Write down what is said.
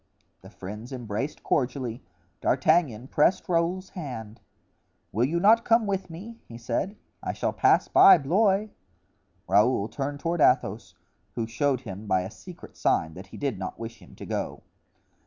The friends embraced cordially; D'Artagnan pressed Raoul's hand. "Will you not come with me?" he said; "I shall pass by Blois." Raoul turned toward Athos, who showed him by a secret sign that he did not wish him to go.